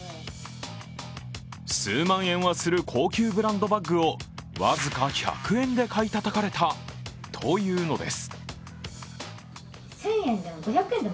数万円はする高級ブランドバッグを僅か１００円で買いたたかれたというのです。